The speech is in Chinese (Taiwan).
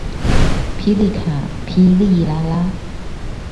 霹靂卡霹靂拉拉